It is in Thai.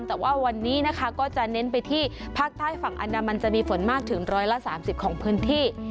แต่ว่าวันนี้นะคะก็จะเน้นไปที่ภาคใต้ฝั่งอันดามันจะมีฝนมากถึง๑๓๐ของพื้นที่